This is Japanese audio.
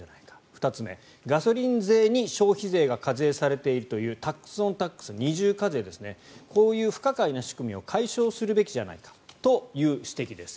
２つ目、ガソリン税に消費税が課税されているというタックス・オン・タックス二重課税ですねこういう不可解な仕組みを解消するべきじゃないかという指摘です。